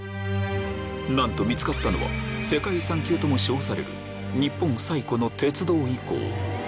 なんと見つかったのは世界遺産級とも称される日本最古の鉄道遺構